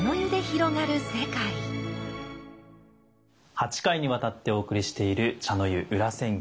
８回にわたってお送りしている「茶の湯裏千家」。